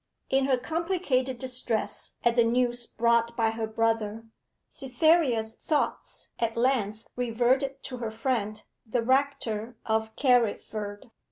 In her complicated distress at the news brought by her brother, Cytherea's thoughts at length reverted to her friend, the Rector of Carriford.